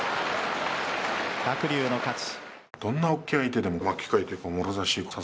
鶴竜の勝ち。